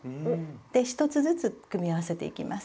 で１つずつ組み合わせていきます。